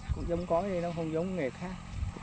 cũng giống cõi đấy không giống nghề khác